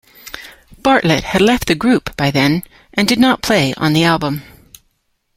Bartlett had left the group by then and did not play on the album.